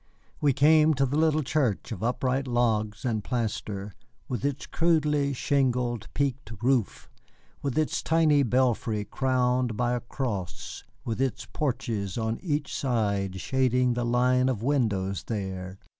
We came to the little church, of upright logs and plaster, with its crudely shingled, peaked roof, with its tiny belfry crowned by a cross, with its porches on each side shading the line of windows there.